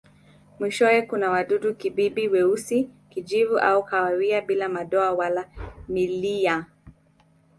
Mwishowe kuna wadudu-kibibi weusi, kijivu au kahawia bila madoa wala milia.